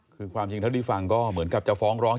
คือความจริงเท่าที่ฟังก็เหมือนกับจะฟ้องร้อง